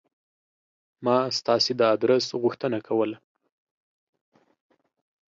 ما ستاسې د آدرس غوښتنه کوله.